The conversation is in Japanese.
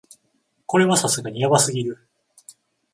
これはさすがにヤバすぎる